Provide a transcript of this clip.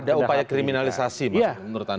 ada upaya kriminalisasi menurut anda